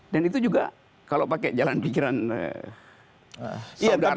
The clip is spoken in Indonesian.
dan itu juga kalau pakai jalan pikiran saudara